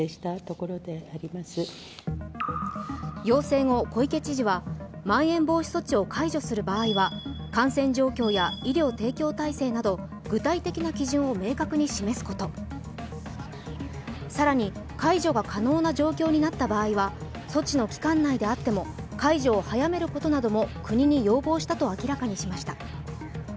要請後、小池知事はまん延防止措置を解除する場合は感染状況や医療提供体制など具体的な基準を明確に示すこと、更に解除が可能な状況になった場合は措置の期間内であっても解除を早めることなども国に要望したと明らかにしました。